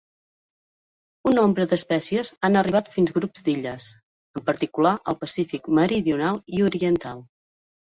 Un nombre d'espècies han arribat fins grups d'illes, en particular al Pacífic meridional i oriental.